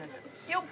よっ！